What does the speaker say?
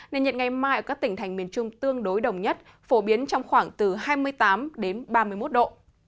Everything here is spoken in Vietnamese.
nền nhiệt ngày mai ở các tỉnh thành miền trung tương đối đồng nhất phổ biến trong khoảng từ hai mươi tám đến ba mươi một độ